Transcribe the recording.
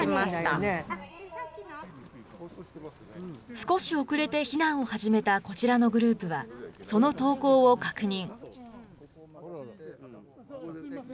少し遅れて避難を始めたこちらのグループは、その投稿を確認。